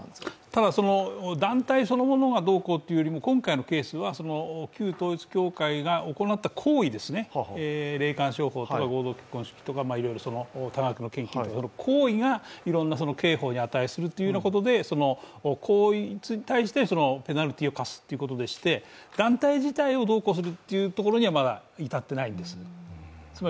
ただ、団体そのものがどうこうというよりも、今回のケースは旧統一教会が、行った行為ですね霊感商法とか、合同結婚式とかいろいろ、多額の献金などの行為が刑法に値するというようなことで、行為に対してペナルティーを科すということでして、団体自体をどうこうするということにはまだ至っていないんです。